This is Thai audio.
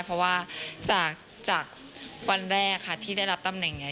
เพราะว่าจากวันแรกค่ะที่ได้รับตำแหน่งนี้